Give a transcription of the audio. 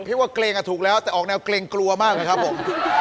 พี่ว่าเกรงอ่ะถูกแล้วแต่ออกแนวเกรงกลัวมากนะครับผม